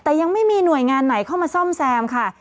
แต่ยังไม่มีหน่วยงานไหนเข้ามาซ่อมแซมค่ะ